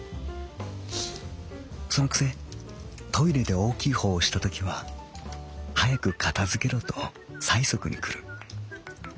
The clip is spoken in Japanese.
「そのくせトイレで大きいほうをしたときは早く片づけろと催促にくる」。